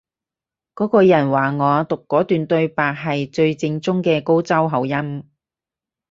嗰個人話我讀嗰段對白係最正宗嘅高州口音